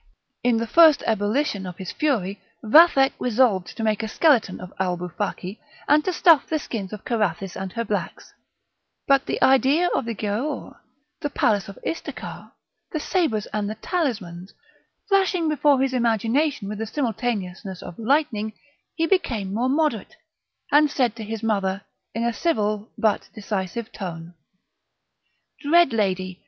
In the first ebullition of his fury Vathek resolved to make a skeleton of Alboufaki, and to stuff the skins of Carathis and her blacks; but the ideas of the Giaour, the palace of Istakar, the sabres and the talismans, flashing before his imagination with the simultaneousness of lightning, he became more moderate, and said to his mother, in a civil but decisive tone: "Dread lady!